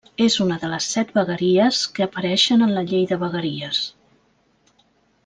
És una de les set vegueries que apareixen en la Llei de vegueries.